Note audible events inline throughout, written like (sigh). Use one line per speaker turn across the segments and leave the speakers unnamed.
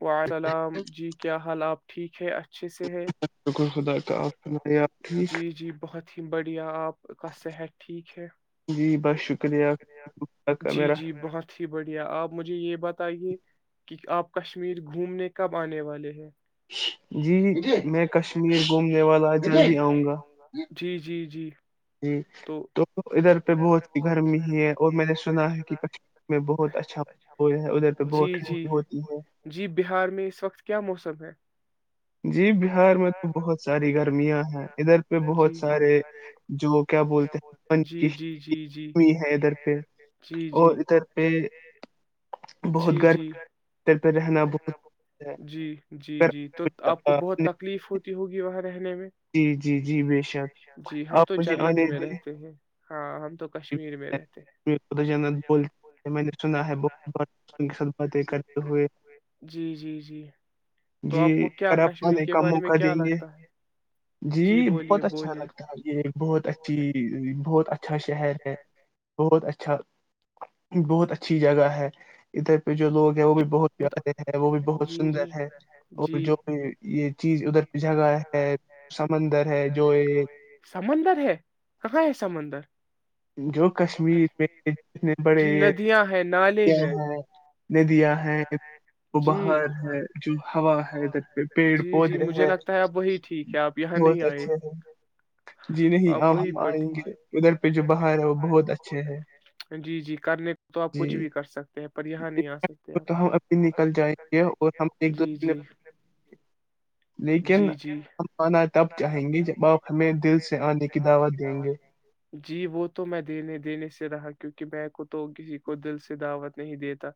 وعسلام جی کیا حال آپ ٹھیک ہے اچھے سے ہے؟ جی جی بہت ہی بڑھیا آپ کا صحت ٹھیک ہے (unintelligible) شکریہ جی جی بہت ہی بڑھیا آپ مجھے یہ بتائیے (unintelligible) کہ آپ کشمیر گھومنے کب آنے والے ہیں
جی، میں کشمیر گھومنے والا جلد ہی آؤں گا جی تو ادھر پہ بہت (unintelligible) گرمی ہی ہے اور میں نے سنا ہے کہ کچ میں بہت اچھا ہو ہے ادھر پہ بہت ٹھنڈی ہوتی ہے جی بہار میں تو بہت ساری گرمیاں ہیں ادھر پہ بہت سارے جو کیا بولتے ہیں کی گمی ہے ادھر پہ اور ادھر پہ بہت گرمی ادھر پہ رہنا بہت ہے
آپ کو بہت تکلیف ہوتی ہوگی وہاں رہنے میں
جی جی جی بے شک آپ مجھے آنے دیں
ہاں ہم (unintelligible)
جنت بول میں نے سنا ہےت س باتیں کرتے ہوئے جی ا آپ آنے کا موقع دیں گے (unintelligible) جی بہت اچھا لگتا ہے یہ بہت اچھی بہت اچ چھ
ہاں شہر ہے
اچھا بہت اچھی جگہ ہے ادھر پہ جو لوگ ہیں وہ بھی بہت پیارے ہے وہ بھی بہت سندر ہے اور جو بھی یہ چیز ادھر پہ جگہ ہے سمندر ہے جو یہ
سمندر
جو کشمیر میں جتنے بڑےیا ہیں ندیاں وہ باہر ہے جو ہوا ہے ادھر پہ پیڑ پودے ہیں بہت اچھے ہیں جی نہیں آپ ہم آئیں گے ادھر پہ
باہر ہے وہ بہت اچھے جی جی کرنے تو آپ کچھ بھی کر سکتے ہیں پر یہاں نہیں آ سکتے
تو ہم اپنی نکل جائیں گے اور ہم ایک دو د لیکن ہم آنا تب چاہیں گے جب آپ ہمیں دل سے آنے کی دعوت دیں گے
جی وہ تو میں دینے دینے سے رہا کیونکہ میں کو تو کسی کو دل سے دعوت نہیں دیتا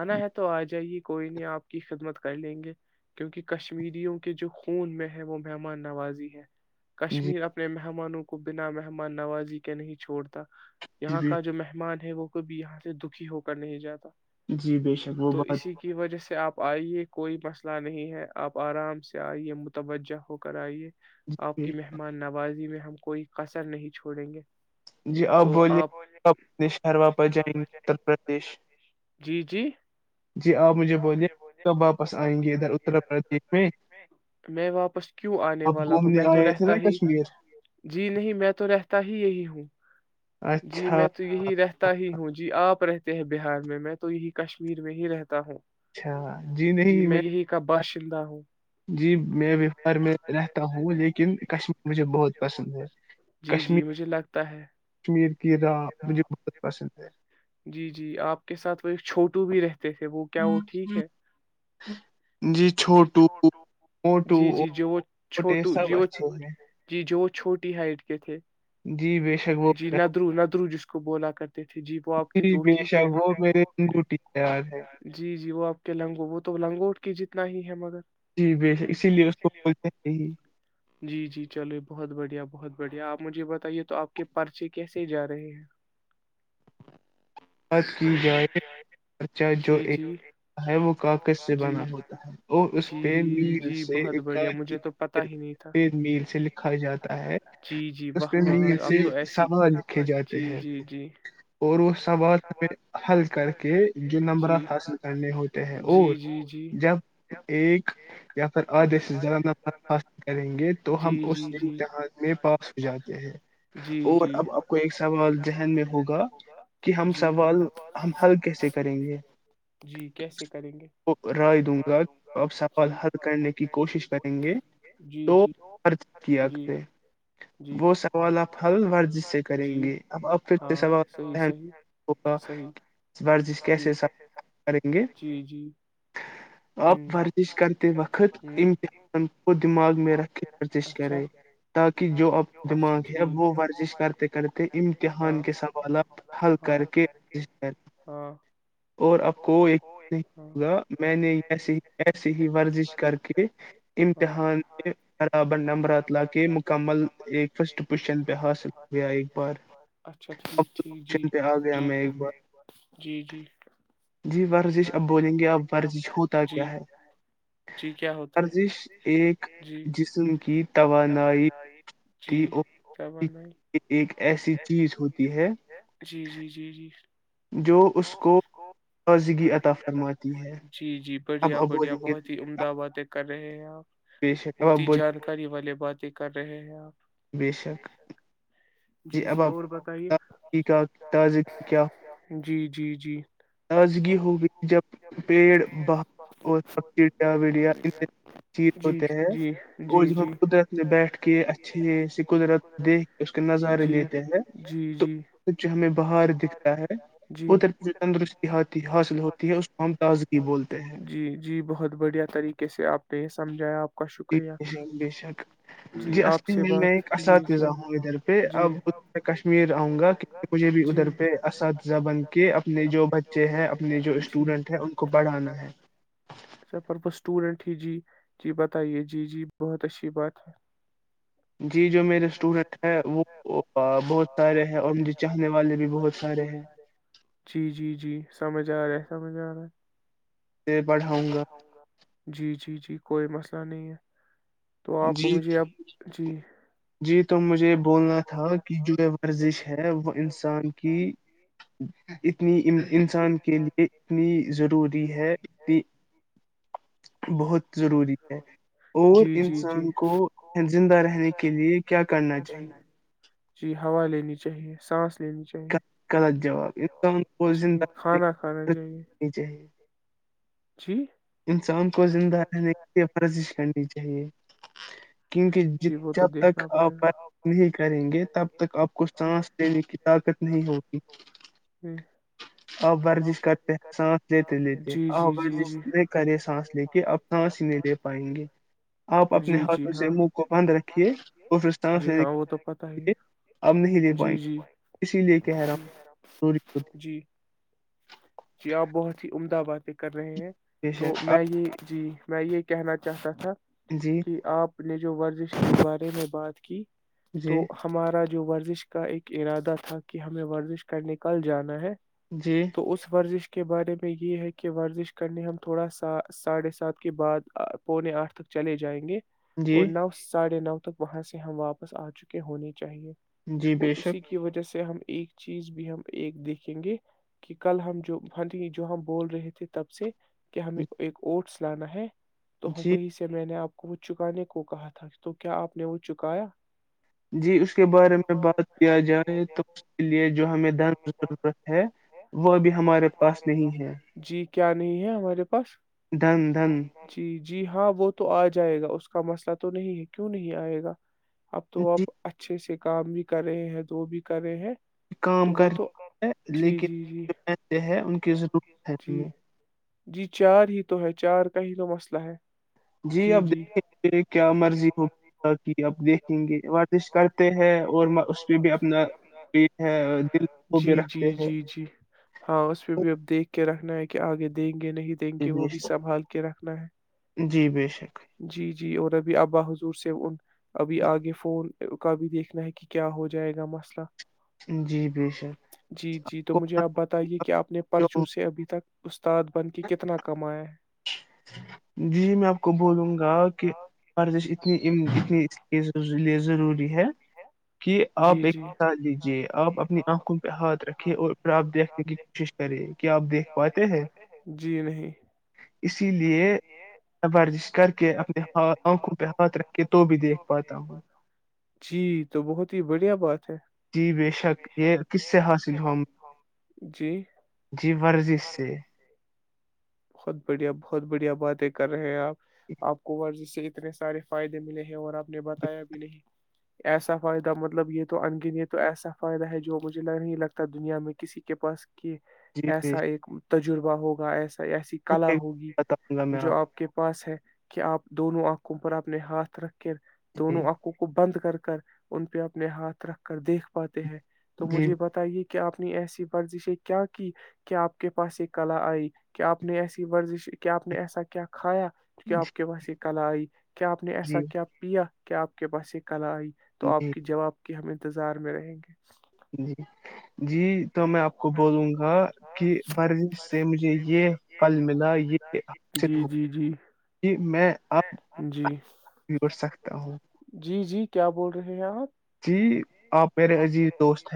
آنا ہے تو آ جائیے کوئی نہیں آپ کی خدمت کر لیں گے کیونک کشمیریوں کے جو خون میں ہے وہ مہمان نوازی ہے کشمیر اپنے مہمانوں کو کو بنا مہمان نوازی کے نہیں چھوڑتا یہاں کا جو مہمان وہ ک بھی یہاں سے دھی ہو کر نہیں جاتا
جی بے شک وہ بات
آپ آئیے کوئی مسئلہ نہیں ہے آپ آرام سے کیا آئیے متوجہ ہو کر آئیے آپ کی مہمان نوازی میں ہم کوئی کسر نہیں چھوڑیں گے
جی آپ بولیے شہر واپس جائیں گے اتر پردیش جی آپ مجھے بولیے کب واپس آئیں گے ادھر اتر پردیش میں
میں واپس کیوں آنے والا ہوں میں تو رہتا ہی جی نہیں میں تو رہتا ہی یہی ہوں جی میں تو یہی رہتا ہی ہوں جی آپ آپ رہتے ہیں بہار میں میں تو یہی کشمیر میں ہی رہتا ہوں
اچھا جی نہیں میں جی میں وپار میں رہتا ہوں لیکن کشمیر مجھے بہت پسند ہے کشمیر کہا مجھے بہت پسند
جی جی آپ کے ساتھ وہ ایک چھوٹو بھی رہتے
جی چھوٹو موٹووٹے سب اچھے ہیں
چھوٹی ہائٹ کے تھے ج جی ندرو ندرو جس کو بولا کرتے تھے جی وہ آپ
بشک وہ میرری انگوٹی تیار ہے
لنگوٹ کی جتنا ہی ہے مگر جی جی چلو بہت بڑھیا بہت بڑھیا آپ مجھے بتائیے تو آپ کے پرچے کیسے جا رہے ہیں
بات کی جائےچہ جو ایک ہے وہ کاغذ سے بنا ہوتا ہے اور اس پہ میل سے میل سے لکھا جاتا ہے اس پہ میل سے سوال لکھے جاتے ہیں اور سوال میں حل کر کے جو نمبرات حاصل کرنے ہوتے ہیں اور جب ایک یا پھر آدھے سے زیادہ نمبرات حاصل کریں گے تو ہم اس امتحان میں پاس ہو جاتے ہیں اور اب آپ کو ایک سوال ذہن میں ہوگا کہ ہم سوال ہم حل کیسے کریں گے رائے دوں گا آپ سوال حل کرنے کی کوشش کریں گے توزش کیا کرے وہ سوال آپ حل ورزش سے کریں گے اب آپ پھر سے سوال ورزش کیسے کریں گے آپ ورزش کرتے وقت امتحان کو دماغ میں رکھ کے ورزش کریں تاکہ جو آپ کا دماغ ہے وہ ورزش کرتے کرتے امتحان کے سوالات حل کر کے اور آپ کو یقین ہوگا میں نے ایسے ہی ایسے ہی ورزش کر کے امتحان برابر نمبرات لا کے مکمل ایک فسٹ پوزیشن پہ حاصل ہو ایک بار آ گیا میں ایک بار جی ورزش اب بولیں گے اب ورزش ہوتا کیا ہے ورزش ایک جسم کی توانائی
جی کیا بنائی
یہ ایک ایسی چیز ہوتی ہے
جی جی جی جی جی جی بڑھیا بڑھیا بہت ہی عمدہ باتیں کر رہے ہیں آپ بہت ہی جانکاری والے بات ہی کر رہے ہیں آپ جی جی اور بتائیے
تاز کیا
جی جی جی
تازگی ہو گئی جب پیڑ بہ اور چڑیا وڑیا چز ہوتے ہیں اور جب ہم قدرت میں بیٹھ کے اچھے سے قدرت دیکھ کے اس کے نظارے لیتے ہیں تو جو ہمیں باہر دکھتا ہے وہ طرف تندرستی ہات حاصل ہوتی ہے اس کو ہم تازگی بولتے ہیں
سمجھایا آ
ج بے شک جی اصلی میں میں ایک اساتذہ ہوں ادھر پہ اب ا کشمیر آؤں گی کہ مجھے بھی ادھر پہ اساتذہ بن کے اپنے جو بچے ہیں اپنے جو اسٹوڈنٹ ہیں ان کو بڑھانا ہے
اسٹوڈینٹ ہی جی جی بتائیے جی جی بہت اچھی بات ہے
جی جو میرے اسٹوڈنٹ ہیں وہ بہت سارے ہیں اور مجھے چاہنے والے بھی بہت سارے ہیں
جا رہے سب جا رہا ڑاؤں گا جی جی جی کوئی مسئلہ نہیں ہے
جی جی تو مجھے بولنا تھا کہ جو ہے ورزش ہے وہ انسان کی اتنی انسان کے لیے اتنی ضروری ہے اتنی بہت ضروری ہے اور انسان کو زندہ رہنے کے لیے کیا کرنا چاہیے
جی ہوا لینی چاہیے سانس
غلط جواب کو زندہی چاہیے انسان کو زندہ رہنے کے لیے ورزش کرنی چاہیے کیونکہ جب تک آپ ورزش نہیں کریں گے تب تک آپ کو سانس دینے کی نہیں ہوتی آپ ورزش کرتے سانس لیتے لیتے آپ ن کرے سانس لے کے اب سانس ہی نہیں لے پائیں گے آپ اپنے ہاتھوں سے منہ کو بند رکھیے اور پھر سس اب نہیں لے پائیں گے اسی لیئے کہہ رہا ہوں
جی آپ بہت ہی عمدہ باتیں کر رہے ہیں تو میں یہ جی میں یہ کہنا چاہتا تھا کہ آپ نے جو ورزش کے بارے میں بات کی تو ہمارا جو جو ورزش کا ایک ارادہ تھا کہ ہمیں ورزش کر نکل جانا ہے
جی
ورزش کے بارے میں یہ ہے کہ ورزش کرنے ہم تھوڑا سا ساڑھے سات کے بعد پونے آٹھ تک چلے جائیں گے اور نو ساڑھے نو تو وہاں سے ہم واپس آ چکے ہونے کے چاہیے اور اسی کی وجہ سے ہم ایک چیز بھی ہم ایک دیکھیں گے کہ کل ہم جو ہ جو ہم بول رہے تھے تب سے کہ ہمیں ایک اوٹس جانا ہے تو ہ وہی سے میں نے آپ کو وہ چکانے کو کہا تھا تو کیا آپ نے وہ چکایا
جی اس کے بارے میں بات کیا جائے تو اس کے لیے جو ہمیں دن ضرورت ہے وہ بھی
وہ ہمارےا جی کیا نہیں ہے ہمارے پاس جی جی جی ہاں وہ تو آ جائے گا اس کا مسئلہ تو نہیں ہے کیوں نہیں آئے گا اب تو آپ اچھے سے کام بھی کر رہے ہیں تو بھی کر رہے ہیں
کام کر ہے لیکن ہے ان کی ضرورت ہے ہمیں
جی چار ہی تو ہے چار کا ہی تو مسئلہ ہے
جی آپ دیکھیں گے کیا مرضی ہو کہ آپ دیکھیں گے ورزش کرتے ہیں اور اس پہ بھی اپنا ہے دل کو بھی رکھتے ہیں
کے رکھنا ہے کہ آگے نہیں دیں گے وہ بھی سنبھال کے رکھنا ہے جی جی اورت اب ابا حضور سے ان ابھی آگے فون کا بھی دیکھنا ہے کہ کیا ہو جائے گا مسئلہ جی جی تو مجھے آپ بتائیے کہ آپ نے پرچوں سے ابھی تک بن کی کتنا کمائے
جی میں آپ کو بولوں گا کہ ورزش اتنی اتنی اس لی ضروری ہے کہ آپ ایک ساتھ لیجیے آپ اپنی آنکھوں پہ ہاتھ رکھے اور پھر آپ دیکھنے کی کوشش کریں کیا آپ دیکھ پاتے ہیں
جی نہیں جی تو بہت ہی بڑھیا بات ہے (inaudible) ج ب شک یہل جی جیورزش سے (inaudible) بہت بڑھیا بہت بڑھیا باتیں کر رہے ہیں آپ آپ کو ور جی سے اتنے سارے فائدے ملے ہیں اور آپ نے بتایا بھی نہیں ایسا فائدہ مطلب یہ تو ان گن یہ تو ایسا فائدہ ہے جو مجھے نہیں لگتا دنیا میں کسی کے پاس کہ ایسا ایک تجربہ ہوگا ایس ایسی کلا ہوگی جو آپ کے پاس ہے کہ آپ دونوں آنکھوں پر اپنے ہاتھ رکھ دونوں آنکھوں کو بند کر کر ان پہ اپنے ہاتھ رکھ کر دیکھ پاتے ہیں تو مجھے بتائیے کہ کہ آپنی ایسی ورزشیں کیا کی کہ آپ کے پاس یہ کلا آئی کہ آپ نے ایسی ورزش کیا آپ نے ایسا کیا کھایا ک آپ کے پاس ایک کلائی کیا آپ نے ایسا کیا پیا کیا آپ کے پاس ایک کل آئی تو آپ کی جواب کہ ہم انتظار میں رہیں گے
جی جی تو میں آپ کو بولوں گا کہ ورزش سے مجھے یہ پل ملا یہ حاصل ہوا کہ میں اب جوڑ سکتا ہوں
کیا بول رہے ہیں آپ
ج
آپ مے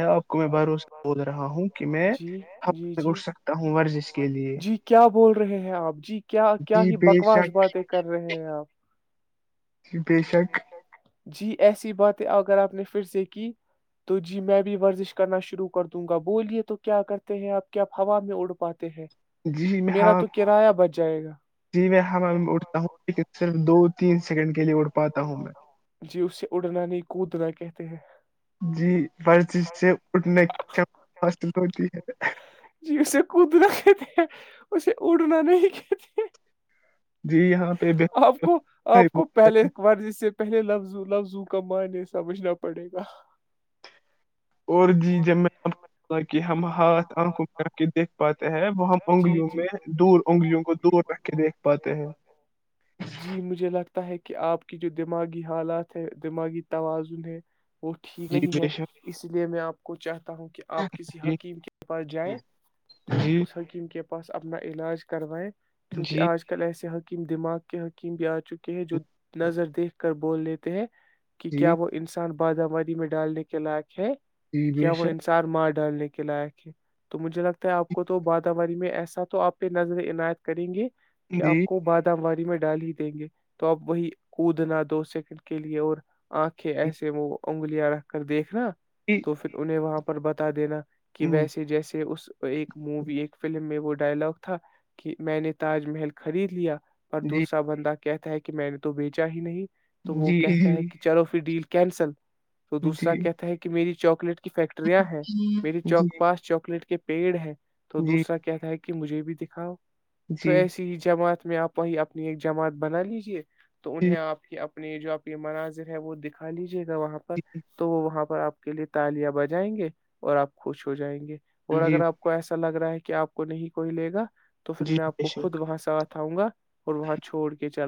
دوست ہ جی جی جی جی کیا بول رہے ہیں آپ جی کیا کیا ہی بکواس باتیں کر رہے ہیں آپ
بشک
جی ایسی باتیں اگر آپ نے پھر سے کی تو جی میں بھی ورزش کرنا شروع کر دوں گا بولیے تو کیا کرتے ہیں آپ کیا ہوا میں اڑ پاتے ہیں میرا تو کرایہ بج جائے گا (inaudible)
جی میں ہم اٹھتا ہوں لن صرف دودھ تیس
جی اسے اڑنا نہیں کودنا کہتے کہ (unintelligible)
جی برسیی سے اٹھنے کی چم مس ہوتی ہے (inaudible)
جی اسے کودنا کہتے ہیں اسے اڑنا نہیں کہتے آپ کو آپ کو پہلے ورض سے پہلے لفظ لفظ (unintelligible) کمان یہ سمجھنا پڑے گا (unintelligible)
اور جی ج کہ ہم ہاتھ آنکھوں (unintelligible) کے دیکھ پاتے ہیں وہ ہم انگلیوں میں دور انگلیوں کو دور رکھ کے دیکھ پاتے ہیں (unintelligible)
تا ہے کہ آپ کی جو دماغی حالات ہے دماغی توازن ہے (unintelligible) وہ ٹھیک نہیں ہے اس لیے میں آپ کو چاہتا ہوں کہ آپ کسی حکیم کے پاس جائیں اور اس حکیم کی (unintelligible) پاس اپنا علاج کروائیں (unintelligible) کیونکہ آج کل ایسے ح (unintelligible) دماغ کے حکیم بھی آ چکے ہیں جو (unintelligible) نظر دیکھ کر بول لیتے ہیں کہ کیا وہ انسان باداماریی میں ڈالنے کے لائق وہ انسان ماٹ ڈالنے کے لائق ہے تو مجھے لگتا ہے آپ کو تو بادا و میں ایسا تو آپ پہ نظر عنایت کریں گے کہ آپ کو بعادا وال میں ڈال ہی دیں گے تو اب وہی کودنا دو سیکنڈ کے لیے اور (unintelligible) آنکھ ایسے ہمو (unintelligible) انگلیاں رکھ کر دیکھنا (unintelligible) تو پھر انہیں وہاں (unintelligible) پر بتا دینا (unintelligible) کہ ویسے جیسے (unintelligible) تو اس ایک مووی ایک فلم میں وہ ڈائلگ تھا کہ میں نے تاج محل خرید لیا اور دوسرا بندہ کہتا ہے کہ میں نے تو بیچا ہی نہیں تو وہ کہتا ہے کہ چلو پھر ڈیل کیینسل تو دوسرا کہتا ہے کہ میری چوک فیکٹریاں ہیں میری چوک پاس چاکلیٹ کے یہ پیڑ ہے تو دوسرا کیا تھا کہ کہ مجھے بھی دکھاؤ تو ایسی ہی جماعت اس میں آپ وہی اپنی ایک جماعت بنا لیجے تو انہیں آپ کی اپنی جو آپ کے مناظر ہے وہ دکھا لیجیے ے گا وہاں پر تو وہ وہاں پر آپ آ کے لیے تالیاں بجائیں گے اور آپ خوش ہو جائیں گے اور اگر آپ کو ایسا لگ رہا ہے کہ آپ کو نہیں کوئی لے گا تو پھر میں آپ کو خود وہاں ساتھ ؤوں گا اور وہاں چھوڑ کے چل